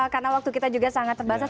karena waktu kita juga sangat terbatas